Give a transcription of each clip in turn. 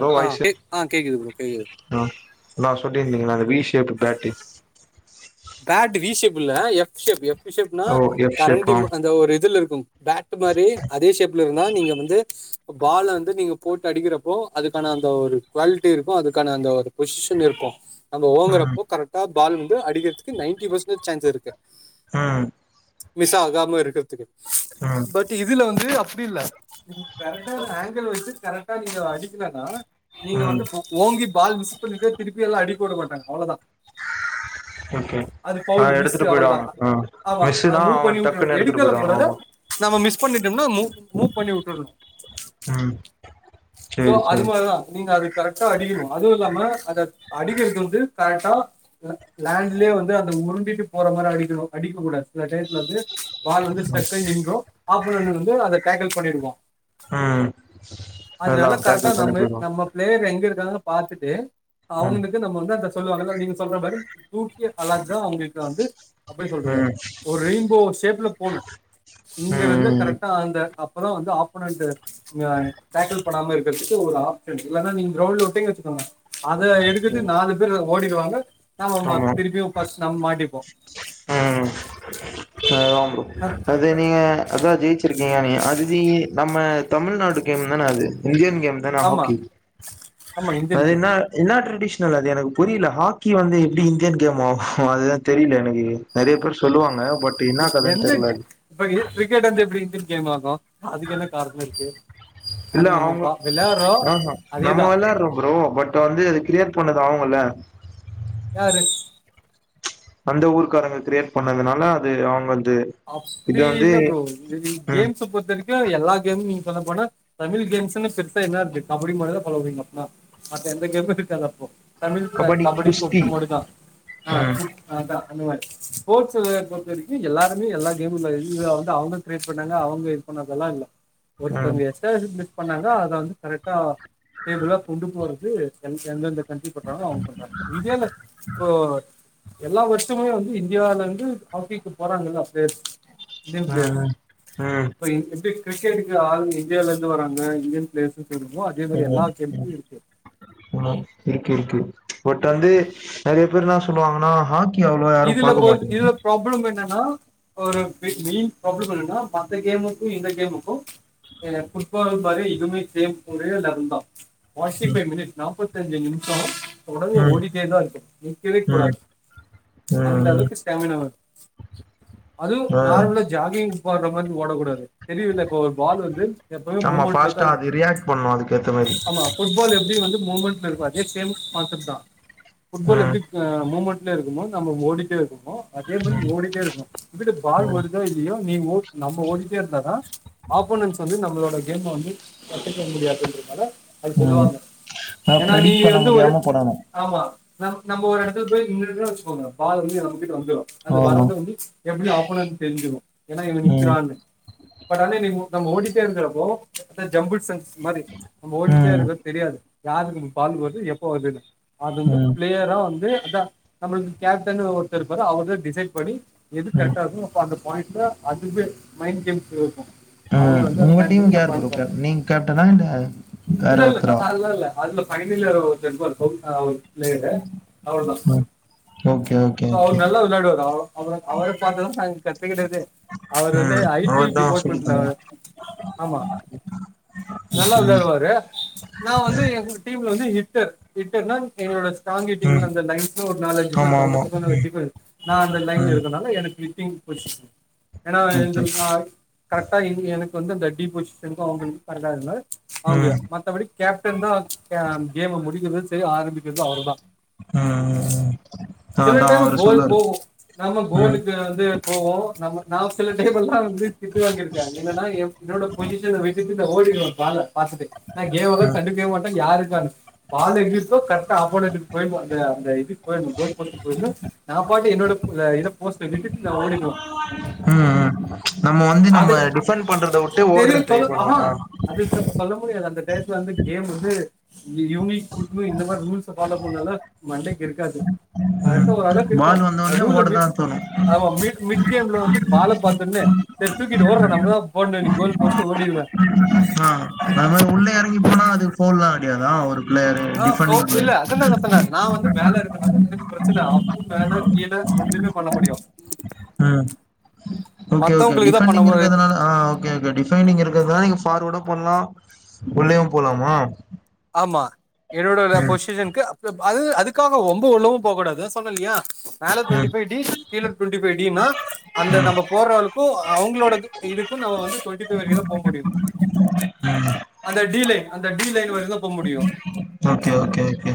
Bro ஆ voice கே ஆ கேக்குது ப்ரோ கேக்குது ஆ ணா சொல்லிருந்தீங்கா ணா அந்த V shape bat bad V shape இல்ல எஃப் சேப்பு எஃப் ஷேப்னா ஓ எஃப் கரண்ட ஷேப்பா அந்த ஒரு இதுல இருக்கு பேட்டு மாரி அதே ஷேப்ல இருந்தா நீங்க வந்து பால வந்து நீங்க போட்டு அடிக்கிறப்போ அதுக்கான அந்த ஒரு குவாலிட்டி இருக்கு அதுக்கான அந்த ஒரு பொசிஷன் இருக்கு நம்ப ம் ஓங்குறப்போ கரெக்டா பால் வந்து அடிக்கிறதுக்கு நைன்டி பர்சன்டேஜ் சான்ஸ் இருக்கு ம் மிஸ் ஆகாம இருக்கிறதுக்கு ம் பட் இதுல வந்து அப்டி இல்ல நீங்க கரெக்டான ஆங்கிள் வச்சு கரெக்டா நீங்க அடிக்கலனா நீங்க ம் வந்து ஒ ஓங்கி பால் மிஸ் பண்ணிட்டு திருப்பில்லா அடிக்க உட மாட்டாக அவல தா ஓகே அது பவுல் ஆ மிஸ்ஸு எடுத்துட்டு அவள தா போயிடுவாங்க ஆ ஆமா அத மிஸ்ஸுனா மூவ் பண்ணி அவன் டக்குன்னு விட்றனு எடுத்துட்டு எடுக்கலா போயிடுவான் கூடாது ஆமா நம்ம மிஸ் பண்ணிட்டோம்னா மூ மூ பண்ணி விட்டுணு ம் சோ சேரி அது சேரி மாதிரிதா நீங்க அதுக் கு கரெக்டா அடிக்கணு அதுவு இல்லாம அத அடிக்கிறது வந்து கரெக்டா லேண்ட்லேயே வந்து அத உருண்டிட்டு போற மாரி அடிக்கனு அடிக்கக்க கூடாது சில டயத்துல வந்து பால் வந்து ம் ஸ்டக்காயி நின்று ஒப்போனெண்ட்டு வந்து அத டேக்கிள் பண்ணிடுவா ம் அதா அதனால கரெக்டா டேக்கிள் பண்ணி நம்ம போயிடுவா நம்ம பிளேயர் எங்க இருக்காங்கன்னு பாத்துட்டு ம் அவுங்களுக்கு நம்ம வந்து அத சொல்லுவாங்கல்லா நீங்க சொல்ற மாரி தூக்கிய அழகா அவுங்களுக்கு வந்து [unintelligible] சொல்றது ம் ஒரு ரெயின்போ ஷேப்ல போணு ம் இங்க இருந்து ம் கரெக்டா அந்த அப்பதா வந்து ஆப்பனட் [unintelligible] டேக்கள் போடாம இருக்கறதுக்கு ஒரு ஆப்டென்ஷ இல்ல நீங்க கிரௌண்ட்ல உட்டிங்க வச்சுகோங்க அத ம் எடுக்குறத்க்கு நாலு பேர் ஓடிடுவாங்க நம்ம மா ஆமா திருப்பியு ஃபஸ்ட் நம்ம மாட்டிப்போ செரி தா ப்ரோ அஹ், அத அத நீங்க அத ஜெயிச்சிருக்கீங்க நீங்க [unintelligible] நம்ம தமிழ்நாட்டு கேம் தான அது இந்தியன் கேம் தான ஆமா ஹாக்கி ஆமா இந்தியன் அது கேம் என்னா இன்னா ட்ரெடிஷனல் அது எனக்கு புரியில ஹாக்கி வந்து எப்டி இந்தியன் கேம் ஆகு அதுதா தெரியில எனக்கு நெறைய பேர் சொல்லுவாங்க பட் என்னா எ கதன்னு எந்த தெர்ல அது இப்ப இது கிரிக்கெட் வந்து எப்டி இந்தியன் கேம் ஆகு அதுக்கு என்ன காரண இருக்கு இல்ல அது நம்ம அவுங்க பா- விளையாடுறோம் ஆஹா நம்ம அதேதான் வெள்ளாரொரு ப்ரோ பட் இப்ப வந்து அத கிரியேட் பண்ணது அவுங்கல்ல யாரு அந்த ஊர்காரங்க கிரியேட் பண்ணதுனால அது அவுங்கள்து அப்டி இல்ல ப்ரோ இது ம் கேம்ஸ் பொருத்த வரை க்கு அது எல்லா கேம் நீங்க சொல்லபோனா தமிழ் கேம்ஸ்ன்னு பெருசா என்ன இருக்கு கபடி மட்டுதா சொல்லமுடியு மொத்தமா மத்த எந்த கேமு இருக்காது அப்போ தமிழ் [unintelligible] கபடி கொக்கோ மட்டு தா அ ம் அதா அந்த மாறி போட்ஸ் [unintelligible] பொருத்த வரைக்கு எல்லாரு எல்லாமே எல்லா கேமு இல்ல இதுல வந்து அவுங்க கிரேட் பண்ணாங்க அவுங்க இது பண்ணதெல்லா இல்ல ம் ஒருத்தவுங்க கரெக்ட்டா எலிபிலிஷ் பண்ணாங்க அத வந்து கரெக்டா டேபிளோ கொண்டு போறது எந் எந்தந்த கண்டிப்பட்றாங்க அவுங்க பண்றாங்க இதே இல்ல இப்போ எல்லா வருஷமுமே வந்து இந்தியாவுல இருந்து ஹாக்கிக்கு போறாங்ல பிளேயர்ஸ் இந்தியன் பிளேயர்ஸ் ம் ம் கிரிக்கெட்டுக்கு ஆள் இந்தியாவிலேந்து வராங்க இந்தியன் பிளேயர்ஸு சொல்லுவமோ அதே ம் மாரி எல்லா ம் கேம்ஸ்லயு இருக்கு ம் இருக்கு இருக்கு பட் வந்து நறைய பேர் என்ன சொல்லுவாங்கன்னா ஹா கி அவ்ளோவா யாரு இதுல பொ பாக்க இதுல மாட்டிங்கனு ப்ராப்ளம் என்னன்னா ஒரு மெயின் ப்ராப்ளம் என்னன்னா மத்த கேமுக்கு இந்த கேமுக்கு அ ஃபுட்பால் மாரி இதுவுமே சேம் ஒரே லெவல் தா ஃபார்ட்டி ம் ஃபைவ் மினிட் நாப்பத்தஞ்சு நிமிஷோ தொடர்ந்து ம் ஓடிட்டேதா இருக்குனு நீக்கவே ம் கூடாது அந்த ம் ம் அலவுக்கு ஸ்டாமினா வேனு அது ஆ நார்மலா ஜாகிங் போடுரமாறி ஓடக்கூடாது தெரியுல இப்போ ஒரு பால் வந்து எப்பவுமே ஆமா மூமெண்டல தா ஃபாஸ்ட்டா அது இருக்கனு ரியாக்ட் பண்ணு அதுக்கேத்த மாரி ஆமா ஃபுட்பால் எப்டி வந்து மூமெண்ட்ல இருக்கு அதே சேம் கான்செப்ட் தா ஃபுட்பால் ம் எப்டி அ மூமெண்ட்ல இருக்குமோ நம்ம ஓடிட்டே இருக்கமோ அதே மாரி நீ ஓடிட்டே இருக்கனு எதுர்ல பால் ம் வருதோ இல்லயோ நீ நம்ப ஓடிட்டே இருந்தாதா ஆப்போனன்ஸ் வந்து நம்பளோட கேம வந்து தடுக்க முடியாதுன்றனால அது ம் சொல்லுவாங்க ஆ ஏன்னா நீ ப்ரெடிக்ட் பண்ண வந்து ஒரே முடியாம பண்ணணு ஆமா நம் நம்ப ஒரு இடத்துல போய் நீக்கறவச்சுக்கோங்க பால் வந்து நம்பகிட்ட வந்துரு அது ஆமா வர்றத வந்து எப்டியு ஆப்போனன்க்கு தெரிஞ்சிரு ஏன்னா ம் இவநிக்றான்னு பட் ஆனா நீ நம்ப ஓடிட்டே இருக்றப்போ அந்த ஜம்புல் சன்ஸ் மாரி நம்ப ஓடிட்டே ம் இருக்கறது தெரியாது யாருக்கு பால் வருது எப்போ வர்துனு அது வந்து ம் பிளேயரா வந்து அதா நம்மளுக்கு கேப்டன் ஒருத்தர்இருப்பாரு அவர் தா டிசைட் பண்ணி எது ம் கரெக்டாக இருக்கும் அப்போ அந்த பாயிண்ட்ல அதுவே மைண்ட் கேம்ஸ் இருக்கு அவுங்க ம் வந்து உங்க பிளான் பண்ணி டீமுக்கு யாரு அப்ப ப்ரோ அடிப்பாங்க கேப் நீங்க கேப்டனா இல்ல வேற இல்ல இல்ல ஒருத்தரா நாலா இல்ல அதுல பைனல் இயரா ஒருத்தர் இருப்பாரு ஒரு பிளேயரு அவர்தா ம் ஓகே ஓகே சோ ஓகே அவர் நல்லா விளையாடுவாரு அவு அவுர் அவர பாத்துதானக்ஷ நாங்க கத்துக்கிட்டதே அவர் வந்து ம் ஐ டி அவர்தா சொல்லி டிபார்ட்மெண்ட்ல தந்தா ஆமா நல்லா ஓகே விளையாடுவாரு நா வந்து எங்க டீம்ல வந்து ஹிட்டர் ஹிட்டர்னா எங்களோட ஸ்ட்ராங் ஹிட்டிங்ல ம் அந்த நைட்டு ஒரு நாலு அஞ் ஆமா ஆமா ம் [unintelligible] நா அந்த லைன்ல ம் இருக்கறதனால எனக்கு ஹிட்டிங் பொஷிஷன் ஏன்னா ஓகே எங்களுக் கரட்டா எங் எனக்கு வந்து டி பொசிஷனுக்கு அவுங்களுக்கு கரெக்டா இருக்க மாரி அவுங்க ம் மத்தபடி கேப்டன் தா அ கேம முடிக்றது சரி ஆரம்பிக்கிறது அவர்தா ம் ம் ம் சில அதா டைம்ல அவரு கோல் சொல்லுவாரு போகுநம்ம ம் கோலுக்கு வந்து போவு நம்ம நா சில டைம்ல்லா‌வந்து திட்டு வாங்கிருக்க என்னன்னா என்னோட பொசிஷன விட்டுட்டு நா ஓடிடுவ பால பாத்துட்டு நா கேவலா ம் கண்டுக்கே மாட்ட யாருக்கானு பால் எங்கிருக்கோ கரெக்டா அபோர்ணெட்டுக்கு போய் அந்த அந்த இதுக்கு போய்டனு போய்ட போதுனு நா பாட்டு என்னோட இது போஸ்ட்ட விட்டுட்டு நா ஓடிடுவ ம் ம் நம்ம வந்து நம்ம அதை டிஃபன் பண்றத விட்டு ஓடுற பண்ணுவோமா அதுக் சொல்ல முடியாது அந்த டைத்துல வந்து கேம் வந்து இந்த யூனிட் கொடுக்கணு இந்த மாரி ரூல்ஸ் ஃபாலோ பண்ணுலா மண்டைக்கு இருக்காது ம் கரெக்டா ஒரு அளவுக்கு இருக்கு பால் வந்த உடனே நடுவுல ஓட மிட் தான் தோணும் ஆமா மிட் மிட்கேம்ல வந்து பால பாத்தோனே சரி தூக்கிட்டு ஓடுறா நம்மதா போட்னு இன்னிக்கு கோல் போஸ்ட்டு ஓடிடுவ ஆ அது மாரி உள்ள எறங்கி போனா அது ஃபோன்லா கெடையாதா ஒரு பிள்ளையாரு ஆ போ டிஃபண்டிங் இல்ல அதெல்லாம் நான் சொன்னேன் நான் வந்து மேல இருக்கனால எனக்கு பிரச்சனை அப்பு மேல கீழே ரெண்டுமே [unintelligible] பண்ண முடியு ம் ஓகே ஓகே தான் பண்ண டிஃபண்டிங் மு- இருக்றதுனால ஆ ஓகே அந்த டிஃபைன்டிங் இருக்கறதுனால நீங்க ஃபார்வர்டு பண்லா உள்ளயு போலாமா ஆமா என்னோடட ம் பொசிஷனுக்கு அது அதுக்காக ரொம்ப உள்ளவு போ கூடாது சொன்ன இல்லயா மேல ம் டொன்டிஃபை டீஸ் கீழ டொன்டிஃபை டினா அந்த ம் நம்ம போட்றவருக்கு அவுங்களோட இது இதுக்கு நம்ம வந்து டொன்டிஃபை வரைக்குந் தா போ முடியு அந்த டி லைன் அந்த டி லைன் வரயு தா போமுடியு ஓகே ஓகே ஓகே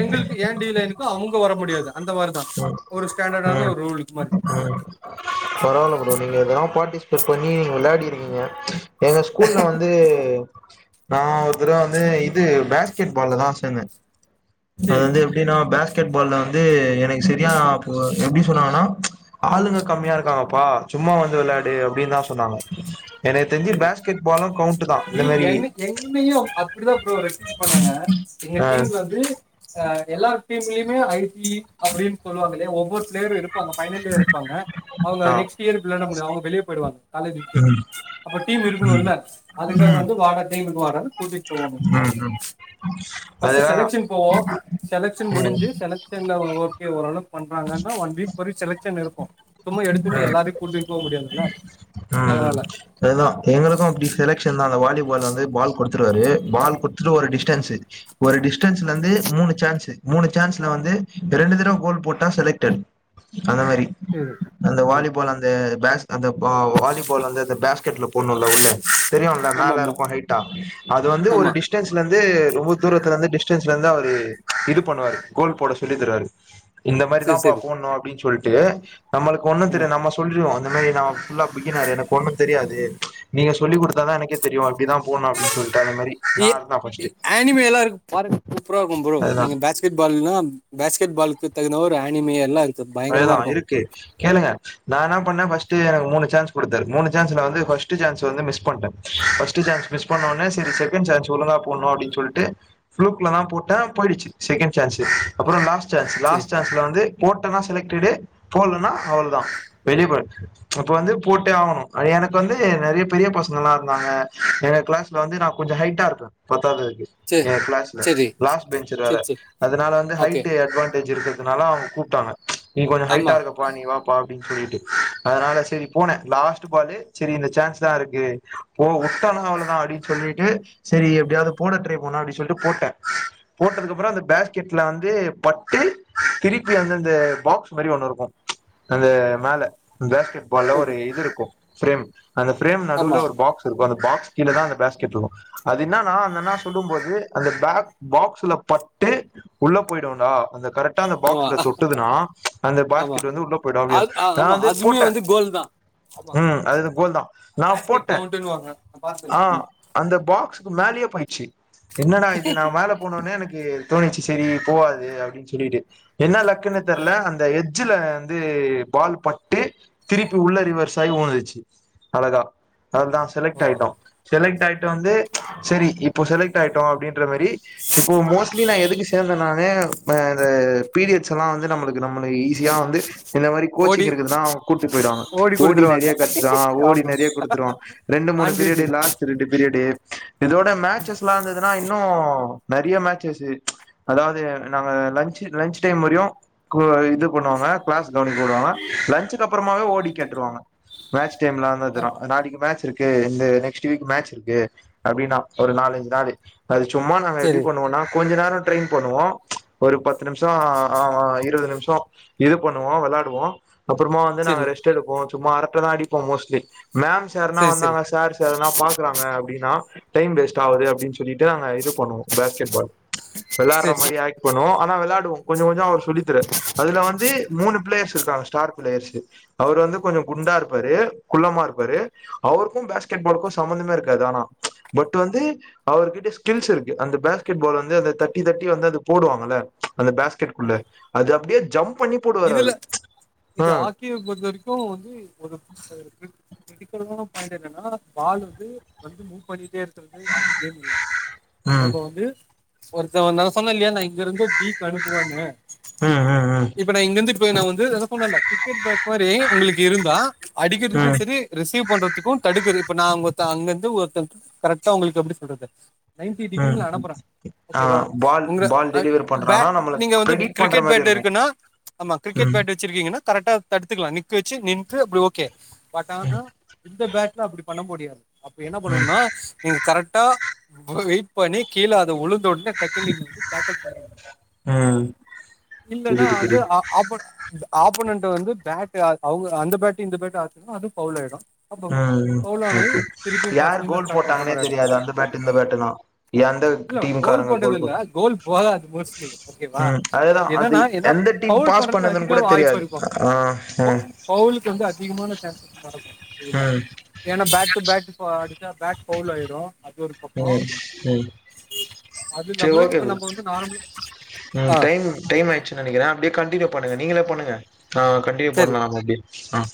எங்களுக்கு ஏ டீல்லருக்கு அவுங்க வர முடியாது அந்த மாரிதா ம் ஒரு ஸ்டாண்டடான ஒரு ரூல்க்கு மாரி பராவால்ல ப்ரோ நீங்க இதல்லா பார்ட்டிசிபேட் பண்ணி நீங்க விளையாடி இருக்கீங்க எங்க ஸ்கூல்ல வந் து நா ஒருதரவ வந்து இது பேஸ்கெட் பால்ல தா சேந்தே அது சரி வந்து எப் எப்டினா பேஸ்கெட் பால்ல வந்து எனக்கு சரியான ஆப்பு எப்டி சொல்லுவாங்கனா ஆளுங்க கம்மியா இருக் காங்கப்பா சும்மா வந்து விளையாடு அப்டின் தா சொன்னாங்க எனக்கு தெரிஞ்சு சரி பேஸ்கெட் பாலு கவுண்ட் தா ஏ இந்த மாரி என்ன என்னயு அப்டித்தா ப்ரோ ரெக்வொஸ்ட் பண்ணாங்க எங்க ஆ டீம்ல வந்து அ எல்லார் டீம்லியுமே ஐ டி அப்டின்னு சொல்லுவாங்க இல்லயா ஒவ்வொரு பிளேயரு இருப் பாங்க பைனல் இயர்ல இருப்பாங்க அவுங்க ஆ நெக்ஸ்ட் இயர் எப்டி விளையாட முடியு அவுங்க வெளிய போய்டுவாங்க காலேஜ விட்டு ம் அப்ப டீம் இருக்கணுல்ல அதுக்காக ம் வந்து வாங்க டீமுக்கு வாடானு கூட்டிட்டு போவாங்க ம் ம் ஃபஸ்ட்டு அதுதா செலக்ஸன் போவோ செலக்ஸன் ம் முடுஞ்சு செலக் சன்ல அவங்க ஓகே ஓரளவு பண்றாங்கன்னா ஒன் வீக் வரயு செலக்ஸன் இருக்கு மொத்தமா எடுத்தோன்னே எல்லாரையு கூட்டிட்டு போக முடியாதுல்ல ம் ம் அதனால அதா எங்களுக்கு அப்டி செலக்சன்தா அந்த வாலிபால் வந்து பால் குடுத்துருவாரு. பால் குடுத்துட்டு ஒரு டிஸ்டன்ஸ்சு ஒரு டிஸ்டன்ஸ்ல இருந்து மூணு சான்ஸு மூணு சான்ஸ்ல வந்து ரெண்டு தடவ கோல் போட்டா செலக்டட் அந்த மாரி அந்த ஆமா வாலிபால் அந்த பேஸ் அந்த வா வாலிபால் அந்த அந்த பேஸ்கெட்ல போனுல்லா உள்ள தெரியுல்ல மேல ஆமா ஆமா இருக்கு ஹைட்டா அது வந்து ஒரு ஆமா டிஸ்டன்ஸ்ல இருந்து ரொம்ப தூரத்துல இருந்து டிஸ் ஸ்சன்ஸ்ல இருந்து அவரு இது பண்ணுவாரு கோல் போட சொல்லிதருவாரு இந்த சரி மாரிதான்ப்பா சரி போட்ணு அப்டின் சொல்லிட்டு நம்மளுக்கு ஒண்ணு ஆமா தெரியாது நம்ம சொல்றிவோ இந்த மாரி நா ஃபுல்லா பிகினாரு எனக்கு ஒண்ணு தெரியாது நீங்க சொல்லி குடுத்தா தா எனக்கே தெரியு அப்டிதா போட்ணு அப்டின் சொல்ட்டு அது மாரி ஏ நா இருந்தா எ ஃபர்ஸ்ட்டு ஆனிமேல்லா இருக்கு பாருங்க சூப்பரா இருக்கும் ப்ரோ அதுதா நீங்க பேச் கெட் பால்னா பேஸ்கெட் பாலுக்கு தகுந்த ஒரு ஆனிமே எல்லா இருக்கு பயங்கரமா அதேதா இருக்கும் இருக்கு கேளுங்க நா என்னா பண்ணே ஃபஸ்ட்டு எனக்கு மூணு சான்ஸ் குடுத்தாரு மூனு சான்ஸ்ல வந்து ஃபஸ்ட்டு சான்ஸு வந்து மிஸ் பண்டே ஃபஸ்ட்டு சான்ஸ் மிஸ் பண்ணோனே சரி செக்கேண்ட் சான்ஸ் ஒழுங்கா போடணு அப்டின் சொல்ட்டு ஃபுலூக் குள்ளதா போட்டே போய்டுச்சு செக்கேன்ட் சான்ஸ்சு அப்பறோ லாஸ்ட் சான்ஸ் சரி லாஸ்ட் சான்ஸ்ல வந்து போட் டனா செலக்டட்டு போலனா அவள தா வெளிய போயிரு அப்ப வந்து போட்டே ஆகணு அது எனக்கு வந்து நெறைய பெரிய பசங்க எல்லா இருந்தாங்க எங்க கிளாஸ் ல வந்து நா கொஞ்சோ ஹைட்டா இருப்பே பத்தாவது வரைக்கி சரி எங்க கிளாஸ்ல சரி லாஸ்ட் பென்ச்சர் வேற சரி சரி அதுனால வந்து ஓகே ஹைட்டு அட்வான்டேஜு இருக்கு கனால அவுங்க கூப்ட்டாங்க நீ கொஞ்சோ ஹைட்டா ஆமா இருக்க வா நீ வாப்பா அப்டின் சொல்லிட்டு அதனால சரி போன லாஸ்ட் பாலு செரி இந்த சான்ஸ் தா இருக்கு ஓ உட்டன்னா அவ்ளதா அப்டின் சொல்லிட்டு செரி எப்டியாவது போட ட்ரை பண்ணோ அப்டி சொல்ட்டு போட்ட போட்டதுக்கு அப்றோ அந்த பேஸ்கெட்ல வந்து பட்டு திருப்பி வந்து அந்த பாக்ஸ் மாரி ஒண்ணு இருக்கும் அது மேல பேஸ்கெட் பால்ல ஒரு ஓகே இது இருக்கும் ஃப்ரேம் அந்த ஃப்ரேம் நடுல ஆமா ஒரு பாக்ஸ் இருக்கு அந்த பாக்ஸ் கீல தா அந்த பேஸ்கெட் இருக்கு அது என்னன்னா அந்தண்ணா சொல்லும் போது அந்த பேக் பாக்ஸ்ல பட்டு உள்ள போய்டு டா அந்த கரெக்டா அந்த ஆமா பாக்ஸ்ல தொட்டுதுன்னா. அந்த ஆமா பாஸ்கெட் வந்து உள்ள போய்டு அப்டியே அது ஆ, நா ஆமா வந்து அதுமே போட்ட வந்து கோல் தான் ஆமா ம் அது கோல் தா நா பேஸ்கெட் போட்ட கவுண்ட்னு வாங்க நான் ஆ பார்த்துருக்கேன் ஆமா அந்த பாக்ஸ் ம் மேலையே போயிற்ச்சு என்னனா இது நா மேல போனோனே எனக்கு தோணிச்சு சரி போகாது அப்டின் சொல்லிட்டு என்ன லக்குனேதெ ல அந்த எஜ்ல வந்து பால் பட்டு திருப்பி உள்ள ரிவர்ஸ் ஆகி உழுந்ற்ச்சு அழகா [unintelligible] தாஸ் செலக் ஓகே ஆய்ட்டோ செலக்ட் ஆயிட்டு வந்து சரி இப்போ செலக்ட் ஆயிட்டோ அப்டின் இதமாரி இப்போ மோஸ்ட்லி நா எதுக்கு சேந்தனானே இந்த பீரியட்ஸ் எல்லா வந்து நம்மளுக்கு நம்மள ஈஸியா வந்து இந்த மாதிரி ஓடி கோச்சிங் இருக்குறதுதா அவுங்க கூட்டு போய்டுவாங்க ஓடி நெறைய கட்த்றா ஓடி ஆமா நெறைய குடுத்துருவா ரெண்டு மூணு ஆன் டியூட்டி பீரியடு லாஸ்ட் ரெண்டு பீரியடு இதோட ஆமா மேச்சஸ்ல்லா இருந்ததுன்னா இன்னு நெறைய மேட்சஸ்ஸு அதாவது நாங்க லன்ச்சு லன்ச் டைம் வரியு இது பண்ணுவாங்க கிளாஸ் கவனிக்க போடுவாங்க லன்ச்சுக்கப் ப்றமாவே ஓடி கேட்டுருவாங்க மேட்ச் டைம்ல ஆனதுரா ஆமா நாளைக்கு மேட்ச் இருக்கு இந்த நெக்ஸ்ட் வீக் மேட்ச் இருக்கு அப்டின்னா ஒரு நாலஞ்சு நாளு அது சும்மா நாங்க எப்டி சரி பண்ணுவோனா கொஞ்ச நேரோ ட்ரெயின் பண்ணுவோ ஒரு பத்து நிமிஷோ ஆ ஆ இருது நிமிஷோ இது பண்ணுவோ வெளாடுவோ அப்பறமா வந்து நாங்க சரி ரெஸ்ட் ட் எடுப்போ சும்மா அரட்டதா அடிப்போ மோஸ்ட்லி மேம் சார்னா சரி சரி வந்தாங்க சார் சார்ல பாக்கறாங்க அப்டின்னா டைம் வேஸ்ட் ஆகுது அப்டின்னு சொல்லிட்டு அங்க இது பண்ணுவோ பேஸ்கெட் பால் வெளாட்ற சரி மாரி ஆக்ட் பண்ணுவோ ஆனா வெளாடுவோ கொஞ்ச கொஞ்சோ அவரு சொல்லிதரார் அதுல வந்து மூணு பிளேயர்ஸ் இருக்காங்க ஸ்டார் பிளேயர்ஸ்சு அவுரு வந்து கொஞ்ச குண்டா இருப்பாரு குள்ளமா இருப்பாரு அவருக்கும் பேஸ்கெட் பாலுக்கும் சம்பந்தமே இருக்காது ஆனா பட் வந்து அவருகிட்ட ஸ்கில்ஸ் இருக்கு அந்த பேஸ்கெட் பால் வந்து அந்த தட்டி தட்டி வந்து அது போடுவாங்கல்ல அந்த பேஸ்கெட்குள்ள அது அப்டியே ஜம்ப் பண்ணி இதுல இது ம் ஆர்கிவ் பொறுத்த வரைக்கு வந்து ஒரு [unintelligible] பாயிண்ட் என்னன்னா பால் வந்து வந்து மூவ் பண்ணிட்டே இரு சுத்தறது அது கேம் இல்ல ம் நம்ம வந்து ஒருத்தவ நா சொன்ன இல்லையா நா இங்க இருந்து டீக்கு அனுப்புவன்னு அஹ் அஹ் அஹ் இப்ப நா இங்க இந்து போய் நா வந்து அதா சொன்னல்ல கிரிக்கெட் பேட் மாறி உங்களுக்கு இருந்தா அடிக்கிறதுக்கு ம் சரி ரிசீவ் பண்றதுக்கும் தடுக்குது இப்ப நா ஒத்த அங்க அங்கந்து ஒருத்த கரெக்டா உங்களுக்கு எப்டி சொல்றது நைன்டி ம் ம் டிகிரில அனப்பற ஆ ஓகேவா பால் உங்கள பால் ஏ டெலிவரி பே பண்றானா நம்மள நீங்க வந்து ப்ரெடிட் பண்ற க்ரிக்கெட் மாரி பேட் இருக்கும் இருக்குன்னா ஆமா கிரிக்கெட் ம் பேட் வச்சிருக்கீங்கன்னா கரெட்டா தடுத்துக்கலா நிக்க வச்சு நின்து அப்டி ஓகே பட் ஆனா இந்த பேட்ல அப்டி பண்ண முடியாது அப்டி என்ன ம் பண்ணணுனா நீங்க கரட்டா வெயிட் பண்ணி கீழ அது உழுந்தோன்னே டக்குன்னு நீங்க பேக்கப் பண்ணிடனு ம் இல்லன்னா புரியுது வந்து புரியுது ஆபன் ஆபனன்ட் வந்து பேட்டு அவுங்க அந்த பேட்டு இந்த பேட்டு அடிச்சா அது பவுல் ஆயிடு அப்ப ம் பவுலானவே ஓகே திருப்பியு யார் பஸ்ட்லருந்து கோல் ஸ்டார்ட் பண்ற போட்டாங்கன்னே மாரி ஆய்டு தெரியாது அந்த பேட் இந்த பேட்டுலா எந்த இல்ல கோல் டீம்காரங்க போட்டது இல்ல போட் கோல் போகது மோஸ்லி ஓகேவா ம் அதுதா அது என்னன்னா என்ன எந்த பௌ டீம் பௌல் பாஸ் பன்றதுக்கு பண்ணதுன்னு அதிக கூட வாய்ப்பு தெரியாது இருக்கு ஆ ம் பௌல்லுக்கு வந்து அதிகமான சேன்சஸ் நடக்கு புரியல ம் ஏன்னா பேக் டு பேக் போ அடிச்சா பேட் பவுல் ஆயிடு அது ஒரு ம் பக்கம் ம் அது சரி இல்லாம ஓகே இப்ப ப்ரோ நம்ம வந்து நார்மல் ம் ஆ டைம் டைம் ஆய் ச்சுன் நெனைக்கிறே அப்டியே கண்டிநியூ பண்ணுங்க நீங்களேப் சரி பண்னுங்க